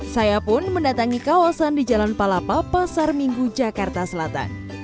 saya pun mendatangi kawasan di jalan palapa pasar minggu jakarta selatan